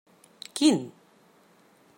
Quin?